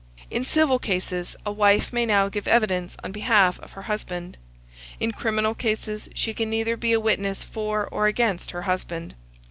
In civil cases, a wife may now give evidence on behalf of her husband in criminal cases she can neither be a witness for or against her husband.